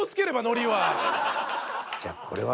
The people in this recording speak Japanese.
じゃあこれは。